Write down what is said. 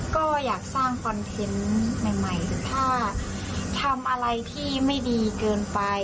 ก็อยากสร้างคอนเทนต์ใหม่ถ้าทำอะไรที่ไม่ดีเกินไป